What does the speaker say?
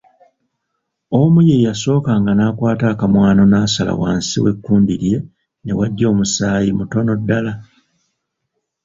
Omu ye yasookanga n’akwata akamwano n’asala wansi w’ekkundi lye ne wajja omusaayi mutono ddala.